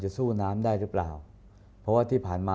อเรนนี่แหละอเรนนี่แหละ